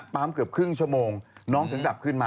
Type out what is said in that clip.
ปั๊มเกือบครึ่งชั่วโมงน้องถึงกลับขึ้นมา